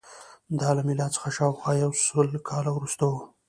دا له میلاد څخه شاوخوا یو سل کاله وروسته وه